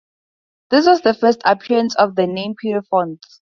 This was the first appearance of the name Pierrefonds.